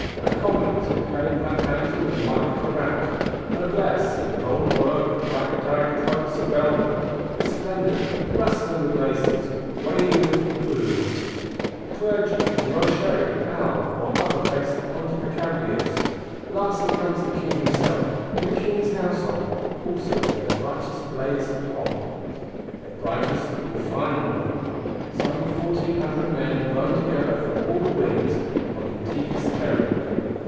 Our Commons "in plain black mantle and white cravat;" Noblesse, in gold worked, bright dyed cloaks of velvet, resplendent, rustling with laces, waving with plumes; the Clergy in rochet, alb, or other best pontificalibus: lastly comes the King himself, and King's Household, also in their brightest blaze of pomp,—their brightest and final one. Some Fourteen Hundred Men blown together from all winds, on the deepest errand.